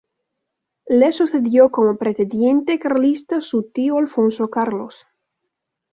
Le sucedió como pretendiente carlista su tío Alfonso Carlos.